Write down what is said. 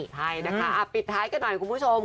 ใช่นะคะปิดท้ายกันหน่อยคุณผู้ชม